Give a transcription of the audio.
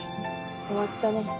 終わったね。